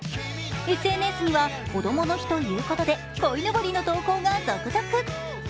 ＳＮＳには、こどもの日ということで、こいのぼりの投稿が続々。